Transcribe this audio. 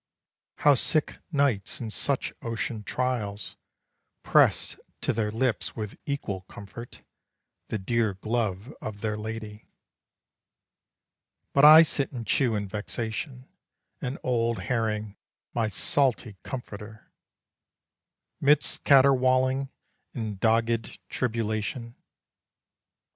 How sick knights in such ocean trials, Pressed to their lips with equal comfort The dear glove of their lady. But I sit and chew in vexation An old herring, my salty comforter, Midst caterwauling and dogged tribulation.